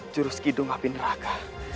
jurus kidung api neraka